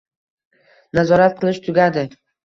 Nazorat qilish tugadi.